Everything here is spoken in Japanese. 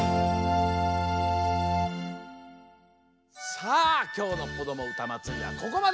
さあきょうの「こどもうたまつり」はここまで！